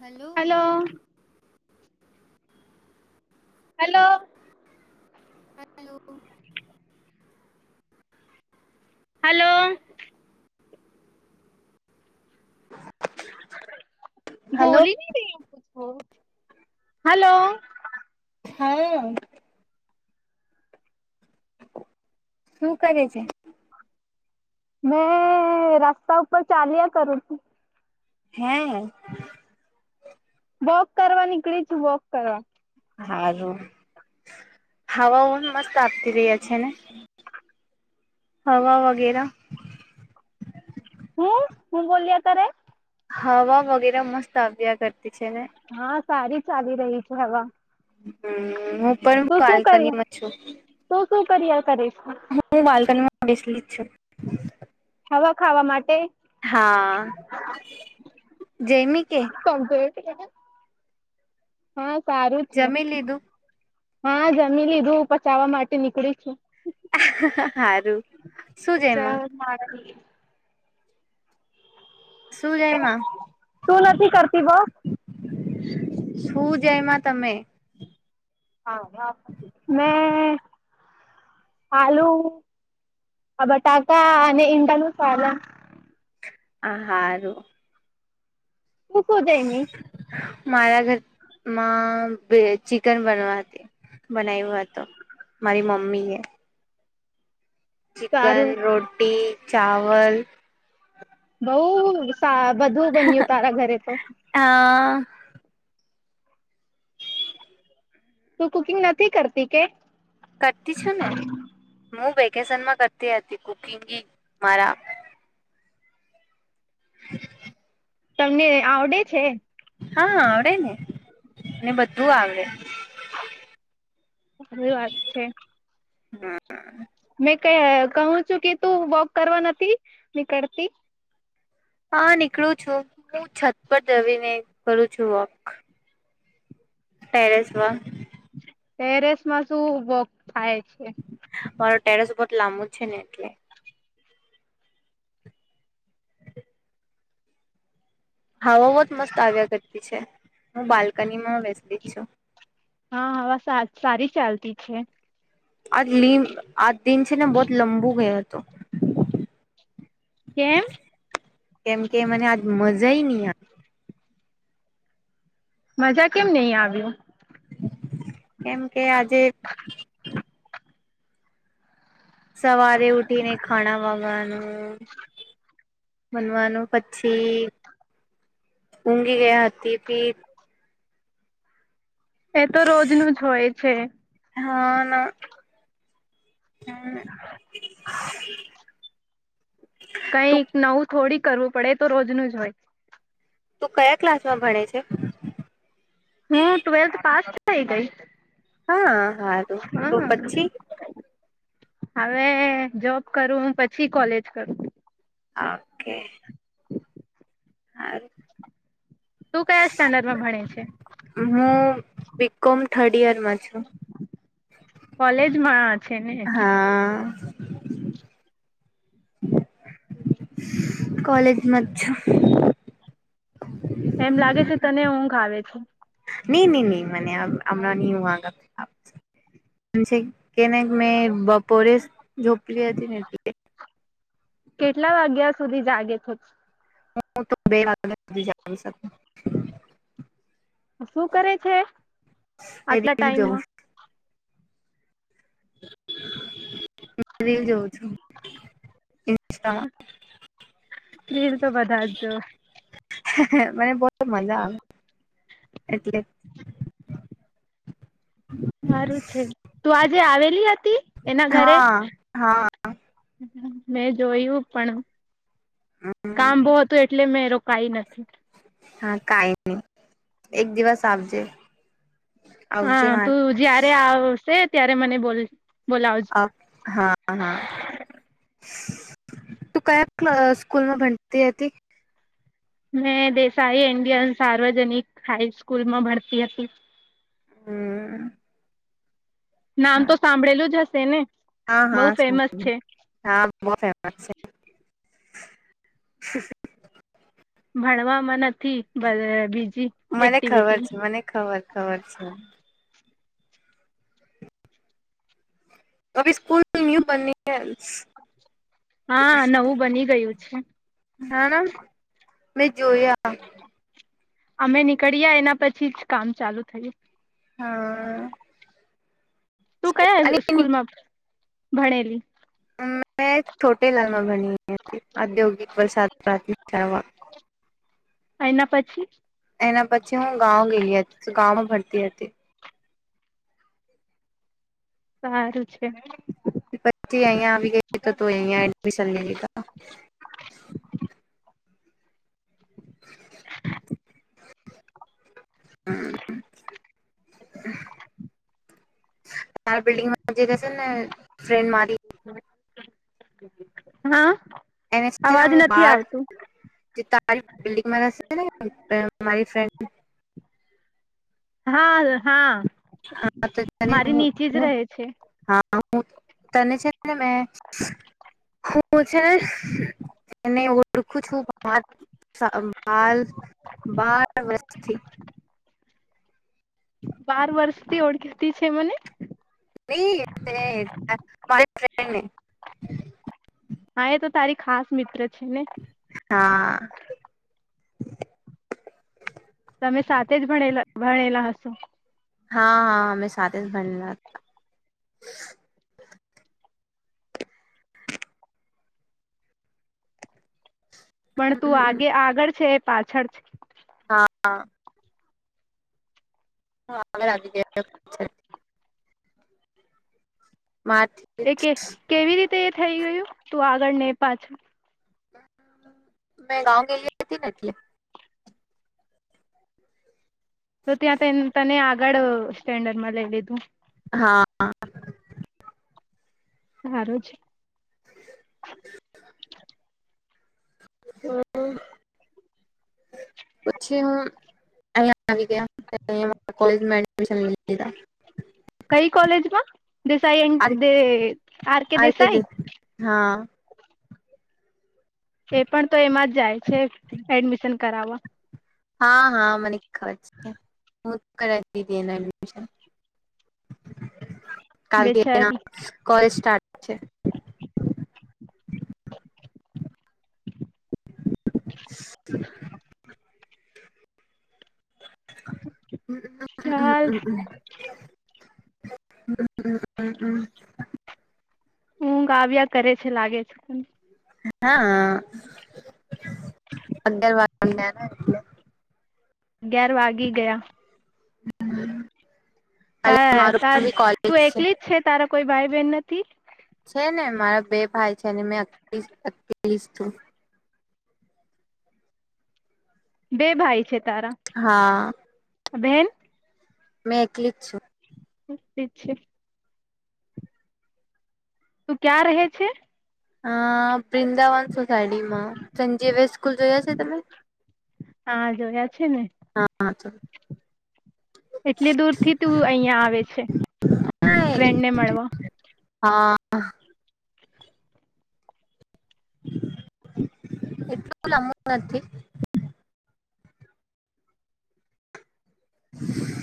Hello. Hello. Hello. Hello. [inaudible] Hello બોલી હી નહીં રહી હૈ કુછ વો. હલો. હા હો. શું કરે છે? મેં રસ્તા ઉપર ચાલ્યા કરું છું. હે વોક કરવા નીકળી છું વોક કરવા. હારું હવાઓ પણ મસ્ત આપતી રહ્યા છે ને હવા વગેરે હમ હું બોલ્યા તારે હવા વગેરે મસ્ત આવ્યા કરતા. પ્રત છેને હા સારી ચાલી રહી છે હવા. હમ પણ બાલ્કનીમાં છું. કરીયા કરે. હું બાલ્કનીમાં બેસેલી જ છું. હવા ખાવા માટે હા જયમી કે? કમ્પ્યુટર? હા સારું છે જમી લીધું? હા જમી લીધું પચાવવા માટે નીકળી છું. હારું શું જયમાં [inaudible] શું જયમાં તું નથી કરતી વોક? શું જયમા તમે? હા હા મે આલુ બટાકા અને ઈંડા નું સેલેડ આ હારું. મૂકું જઈમી મારા ઘર માં બે ચિકન બનવાથી બનાવ્યું હતો મારી મમ્મીએ. ચિકન, સારું રોટી ચાવલ બઉ તા બધું બન્યું તારા ઘરે તો. અ તું કુકિંગ નથી કરતી કે? કરતી છું ને. મું વે કેશનમાં કરતી હતી કુકિંગ મારા તમને આવડે છે? હા, આવડે ને. મને બધું આવડે. સારી વાત છે. હમ્મ. એ કે કહું છું કે તું વોક કરવા નથી નીકળતી? હા નીકળું છું. હું છત પર જવીને કરું છું વોક ટેરેસ પર. ટેરેસમાં શું વોક થાય છે. અ ટેરેસ ઉપર લાંબુ છે ને એટલે હવા બોત મસ્ત આવ્યા કરતી છે. હું બાલ્કનીમાં બેસતી જ છું. હા હવા સા સારી ચાલતી છે. અલીમ આ દિન છે ને બહોત લંબુ ગયો તો કેમ? કેમ કે મને આજ મજા ની આ મજા કેમ નય આવ્યું? કેમ કે આજે સવારે ઉઠીને ખાણા વાગાનું બનવાનું. પછી ઊઘી ગયા હતી ફી એ તો રોજનું જ હોય છે. હમ્મ. કઈ નવું થોડી કરવું પડે તો રોજ નું જ હોય. તું કયા ક્લાસમાં ભણે છે? હું ટ્વેલ્થ પાસ થઈ ગઈ. હા. હા તો તો હા પછી? હવે જોબ કરું પછી કોલેજ કરું. ઓકે [inaudible] તું કયા સ્ટાન્ડર્ડમાં ભણે છે હું બીકોમ થર્ડ યરમાં. છું કોલેજમાં છે ને [inaudible] કોલેજમાં છું. એમ લાગે છે તને ઊંઘ આવે છે. ની ની ની [unintelligible] કેટલા વાગ્યા સુધી જાગે છે. હું તો બે વાગે સુધી જાગી શકું. શું કરે છે આટલા રીલ જોઉં ટાઈમમાં રીલ જોવ- રિલ તો બધા જ જોવે મને બો મજા આવે એટલે સારું છે તું આજે આવેલી હતી એના ઘરે હા હા મેં જોયું પણ કામ બો હતું એટલે મેં રોકાઈ નથી હા, કાઈ નહી એક દિવસ આવજે. આવજે હા, માર તું જયારે આવશે ત્યારે મને બોલ બોલાવજ અ હા હા [inaudible] તું કયા અ સ્કૂલમાં ભણતી હતી. મેં દેસાઈ ઇન્ડિયન સાર્વજનિક હાઈસ્કૂલમાં ભણતી હતી. હમ્મ. નામ તો સાંભળેલું જ હશે. તેને હા, હા, સાંભળેલું હા, બહુ ફેમસ છે. [inaudible] ભણવા મને મને ખબર છે, મને ખબર ખબર છે. નવી સ્કૂલનો નિયમ બનસે હા, નવું બની ગયું છે. અચ્છા. ના, ના. મેં જોયા. અમે નીકળ્યા એના પછી જ કામ ચાલુ થયું. હા. તું અને કયા સ્કૂલમાં ભણેલી? અમ્મ મેં છોટે લાલમાં બણી હતી, ઔદ્યોગિક વલસાડ પ્રાથમિક શાળામાં. એના પછી? એના પછી હું ગાઉ ગેલી હતી શું ગામ ભણતી હતી. સારું છે. પછી અહીયા આવી ગઈ તો, તો અહીયા એડમિશન લઈ લીધા. હમ્મ. [inaudible] હા. એને અવાજ [unintelligible] નથી બાર આવતું જે તારી બિલ્ડિંગમાં છે ને મારી ફ્રેન્ડ હા, હા. હા, મારી [unintelligible] નીચે જ રહે છે હા. તને છે ને,, હું પૂછે, મેું છેને ઓળખું છું બાર વર્ષથી બાર વર્ષથી ઓળખીતી છે મને ની એટલે મારી ફ્રેન્ડ ને હા એ તો તારી ખાસ મિત્ર છ હા. તમે સાથે જ ભણેલા ભણેલા હશો? હા હા અમે સાથે જ ભણલા હતા. પણ તું આગે આગળ છે. પાછળ છે. હા. હ આગળ આવી જયા. મારથી એ કે કેવી રીત તે થઈ ગયું? તું આગળ ને પાછું મેં ગાવ ગઈલી હતી ને એટલે. તો ત્યા તેન તને આ ગડ સ્ટેન્ડર માં લઈ લીધું? હા. હા રોજ હમ્મ. પછી હું અહીંયા આવી ગયા. અને અહીંયા કોલેજ મા એડમિશન લીધા. કઈ કોલેજમાં? દેસાઈ એ દે એ આર કે દેસાઈ? હા એ પણ તો એમાં જ જાય છે. એડમિશન કરાવા. હા હા મને ખબર છે. હું કરાઈ દીધી એનું એડમિશન. કાલથી એનો બેચારી કોલેજ સ્ટાર્ટ છે. [inaudible] અમ્મ અમ્મ ચાલ અમ્મ અમ્મ. હમ્મ હમ્મ હમ્મ હમ્મ. ઊંઘ આવ્યા કરે છે, લાગે છેન. હા, અગર વાર અગયાર વાગી ગયા. [inaudible] ત મારું તાર પણ બી કોલેજ તું એકલી જ છે તારા કોઈ ભાઈ બેન નથી. છે ને મારા બે ભાઈ છે અને મેં [unintelligible] બે ભાઈ છે. હા. બેન. મેં એકલી જ છું. છે. તું ક્યાં રહે છે? હું વૃંદાવન સોસાયટીમાં, સંજીવ સ્કૂલ જોયા છે તમે? હા જોયા છે ને હા એટલી દૂર થી તું અહીંયા આવે છે, ફ્રેન્ડ ને મળવા. હા. એટલું લાંબુ નથી. [inaudible]